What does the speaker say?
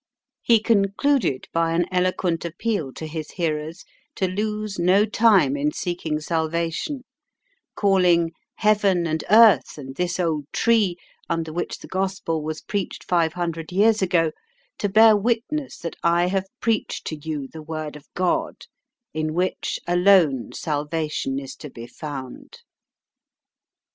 He concluded by an eloquent appeal to his hearers to lose no time in seeking salvation, calling "heaven and earth, and this old tree, under which the Gospel was preached five hundred years ago, to bear witness that I have preached to you the word of God, in which alone salvation is to be found."